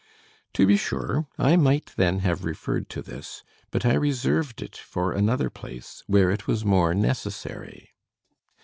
To be sure, I might then have referred to this but I reserved it for another place, where it was more necessary.